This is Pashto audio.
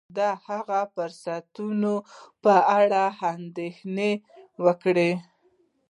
د هغه فرصتونو په اړه اندېښنه وکړه.